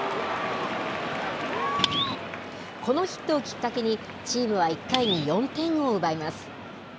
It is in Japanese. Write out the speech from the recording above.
このヒットをきっかけに、チームは１回に４点を奪います。